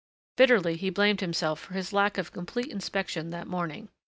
Bitterly he blamed himself for his lack of complete inspection that morning.